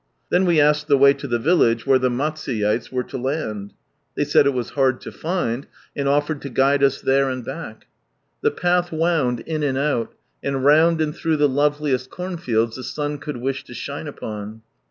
Then we asked the way to the village where the Matsuyeites were to land. They said it was hard to find, and offered to guide us there and back. The path wound in and out, and round and through the loveliest cornfields the sun could wish to shine upon.